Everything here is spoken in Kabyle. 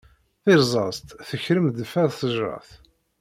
Tirẓeẓt tekṛem deffer sejṛet.